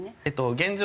現状